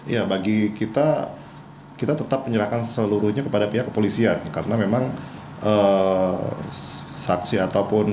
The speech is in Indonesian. ya bagi kita kita tetap menyerahkan seluruhnya kepada pihak kepolisian karena memang saksi ataupun